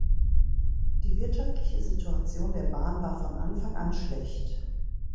Die wirtschaftliche Situation der Bahn war von Anfang an schlecht.